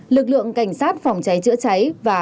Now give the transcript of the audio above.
lực lượng cảnh sát phòng cháy chữa cháy và